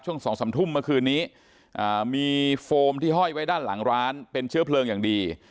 ๒๓ทุ่มเมื่อคืนนี้มีโฟมที่ห้อยไว้ด้านหลังร้านเป็นเชื้อเพลิงอย่างดี